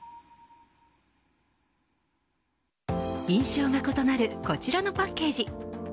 印象が異なるこちらのパッケージ